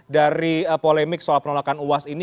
dari polemik soal penolakan uas ini